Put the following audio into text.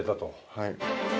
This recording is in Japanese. はい。